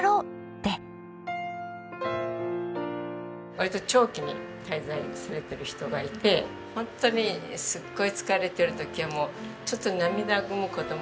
割と長期に滞在されてる人がいてホントにすっごい疲れてる時はちょっと涙ぐむ事もね。